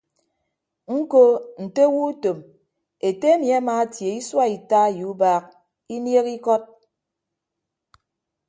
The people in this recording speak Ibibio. Ñko nte owo utom ete emi amaatie isua ita ye ubaak inieehe ikọt.